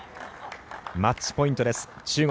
マッチポイントです中国。